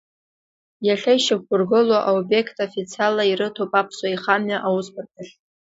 Иахьа ишьақәыргылоу аобиект официалла ирыҭоуп Аԥсуа еихамҩа Аусбарҭахь.